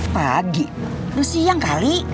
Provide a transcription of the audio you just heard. pagi udah siang kali